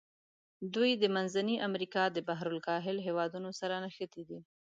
دوی د منځني امریکا د بحر الکاهل هېوادونو سره نښتي دي.